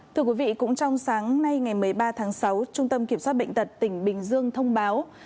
thưa quý vị cũng trong sáng nay ngày một mươi ba tháng sáu trung tâm kiểm soát bệnh tật tỉnh bình dương thông báo